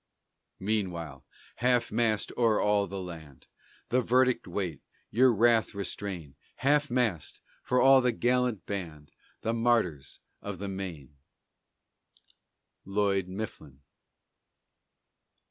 Meanwhile Half mast o'er all the land! The verdict wait; your wrath restrain; Half mast! for all that gallant band The martyrs of the Maine! LLOYD MIFFLIN.